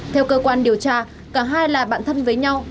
theo cơ quan điều tra cả hai là bạn thân với nhau